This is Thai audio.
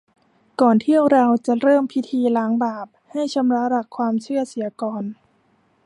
ก่อนที่เราจะเริ่มพิธีล้างบาป ให้ชำระหลักความเชื่อเสียก่อน